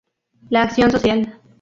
La acción social.